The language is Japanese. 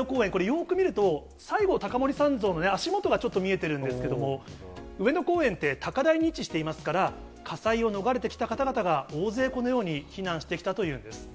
よく見ると西郷隆盛さん像の足元がちょっと見えてるんですけども、上野公園って高台に位置していますから、火災を逃れてきた方々が大勢このように、避難してきたというんです。